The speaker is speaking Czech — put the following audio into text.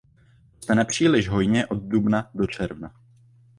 Roste nepříliš hojně od dubna do června.